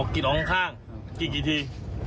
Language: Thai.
อ๋อกินข้างกินกี่ที